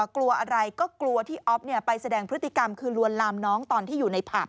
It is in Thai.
กลัวอะไรก็กลัวที่อ๊อฟไปแสดงพฤติกรรมคือลวนลามน้องตอนที่อยู่ในผับ